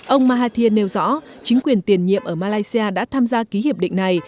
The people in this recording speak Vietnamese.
ông mahathir nêu rõ chính quyền tiền nhiệm ở malaysia đã tham gia ký hiệp định này